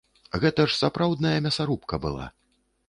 Гэта ж сапраўдная мясарубка была!